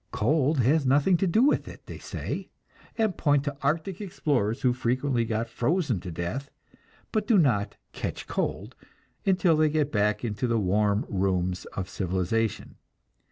Cold has nothing to do with it, they say, and point to arctic explorers who frequently get frozen to death, but do not "catch cold" until they get back into the warm rooms of civilization.